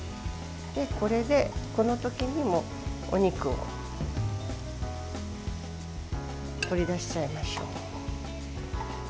これで、このときにお肉を取り出しちゃいましょう。